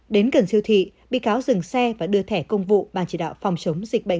đến gần siêu thị bị cáo dừng xe và đưa thẻ công vụ ban chỉ đạo phòng chống dịch bệnh